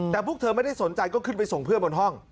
แต่พวกเธอไม่ได้สนใจก็ขึ้นไปส่งเพื่อนบนห้อง